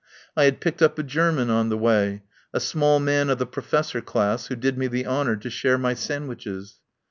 I had picked up a German on the way, a small man of the Pro fessor class, who did me the honour to share my sandwiches.